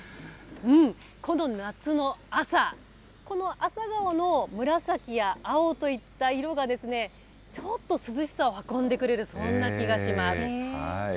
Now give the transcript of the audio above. この夏の朝、この朝顔の紫や青といった色が、ちょっと涼しさを運んでくれる、そんな気がします。